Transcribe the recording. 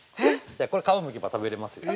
これ、皮をむけば食べれますよ。